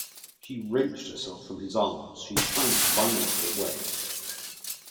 She wrenched herself from his arms, she shrank violently away.